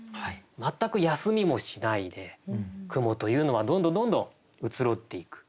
全く休みもしないで雲というのはどんどんどんどん移ろっていく。